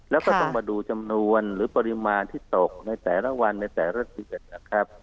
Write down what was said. แล้วก็ต้องมาดูจำนวนหรือปริมาณที่ตกในแต่ละวันในแต่ละเดือนนะครับ